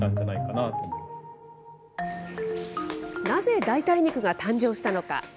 なぜ代替肉が誕生したのか。